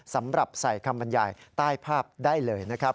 สำหรับใส่คำบรรยายใต้ภาพได้เลยนะครับ